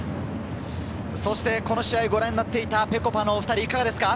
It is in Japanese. そして、この試合をご覧になっていた、ぺこぱのお２人はいかがですか？